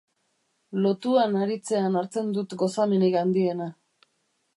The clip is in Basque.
Lotuan aritzean hartzen dut gozamenik handiena.